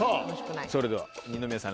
それでは二宮さん